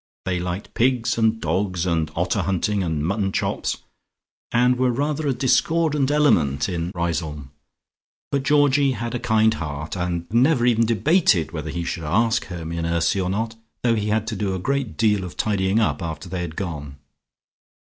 They liked pigs and dogs and otter hunting and mutton chops, and were rather a discordant element in Riseholme. But Georgie had a kind heart, and never even debated whether he should ask Hermy and Ursy or not, though he had to do a great deal of tidying up after they had gone.